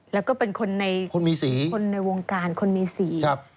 แล้วก็เป็นคนในวงการคนมีสี